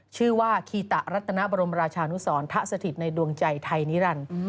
ชื่อว่าคีตะรัตนบรมราชานุสรทะสถิตในดวงใจไทยนิรันดิ์